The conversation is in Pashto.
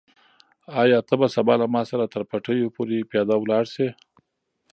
آیا ته به سبا له ما سره تر پټیو پورې پیاده لاړ شې؟